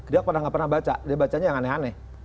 dia pernah nggak pernah baca dia bacanya yang aneh aneh